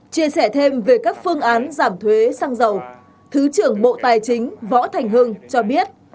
chia sẻ thêm về các phương án giảm thuế xăng dầu thứ trưởng bộ tài chính võ thành hưng cho biết